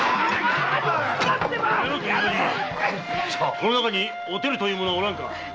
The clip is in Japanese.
この中に“おてる”という者はおらんか？